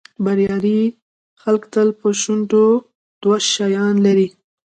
بریالي خلک تل په شونډو دوه شیان لري.